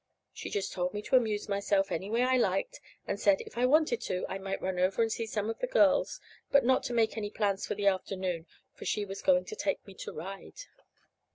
She just told me to amuse myself any way I liked, and said, if I wanted to, I might run over to see some of the girls, but not to make any plans for the afternoon, for she was going to take me to ride.